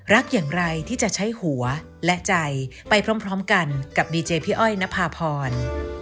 โปรดติดตามตอนต่อไป